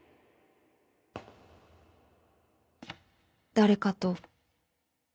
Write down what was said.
誰かと